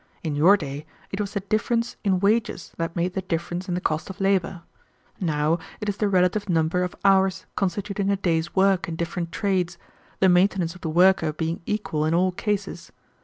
In your day, it was the difference in wages that made the difference in the cost of labor; now it is the relative number of hours constituting a day's work in different trades, the maintenance of the worker being equal in all cases.